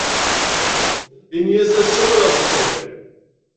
Ini-as la ssawaleɣ deg usawal.